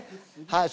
はい。